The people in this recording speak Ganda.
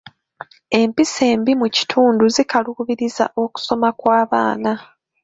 Empisa embi mu kitundu zikalubizza okusoma kw'abaana.